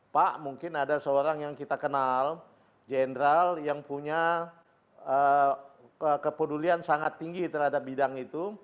pak mungkin ada seorang yang kita kenal general yang punya kepedulian sangat tinggi terhadap bidang itu